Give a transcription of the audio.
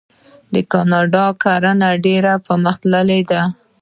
د کاناډا کرنه ډیره پرمختللې ده.